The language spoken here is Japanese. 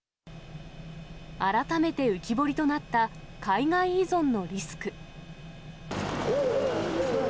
改めて浮き彫りとなった海外依存のリスク。